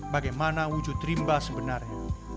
bagaimana wujud rimba sebenarnya